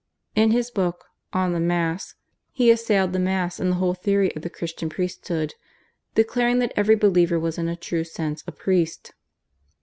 In his book /On the Mass/ he assailed the Mass and the whole theory of the Christian priesthood, declaring that every believer was in a true sense a priest.